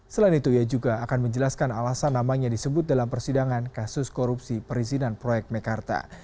selain itu ia juga akan menjelaskan alasan namanya disebut dalam persidangan kasus korupsi perizinan proyek mekarta